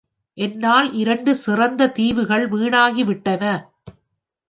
என்னால் இரண்டு சிறந்த தீவுகள் வீணாகிவிட்டன!